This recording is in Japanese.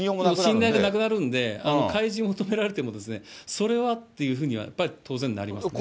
しんらいなくなるんで、開示を求められても、それはっていうふうには当然なりますよね。